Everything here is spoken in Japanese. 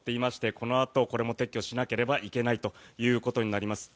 このあと、これも撤去しなければいけないということになります。